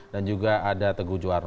dan juga ada teguh juwarno